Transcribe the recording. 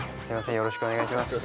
よろしくお願いします